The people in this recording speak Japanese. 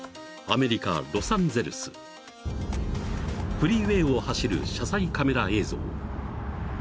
［フリーウェイを走る車載カメラ映像］